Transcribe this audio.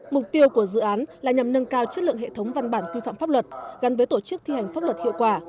mục tiêu của dự án là nhằm nâng cao chất lượng hệ thống văn bản quy phạm pháp luật gắn với tổ chức thi hành pháp luật hiệu quả